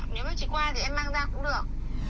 nếu mà chị qua thì em mang ra cũng được